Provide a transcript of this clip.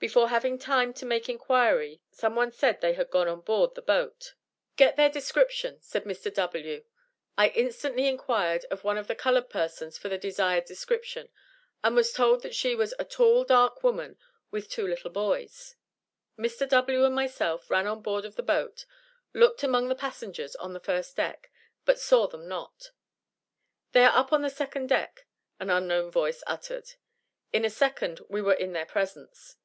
Before having time for making inquiry some one said they had gone on board the boat. "Get their description," said Mr. W. I instantly inquired of one of the colored persons for the desired description, and was told that she was "a tall, dark woman, with two little boys." Mr. W. and myself ran on board of the boat, looked among the passengers on the first deck, but saw them not. "They are up on the second deck," an unknown voice uttered. In a second we were in their presence.